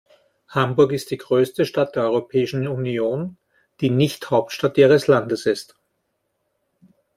Hamburg ist die größte Stadt der Europäischen Union, die nicht Hauptstadt ihres Landes ist.